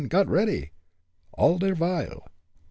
Got ready, all der vile!